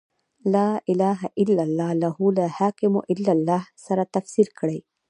«لا اله الا الله» له «لا حاکم الا الله» سره تفسیر کړه.